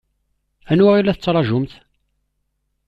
Anwa i la tettṛaǧumt?